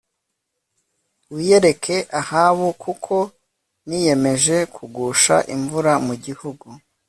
wiyereke ahabu kuko niyemeje kugusha imvura mu gihugu